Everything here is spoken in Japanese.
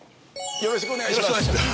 よろしくお願いします。